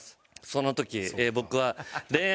その時僕は。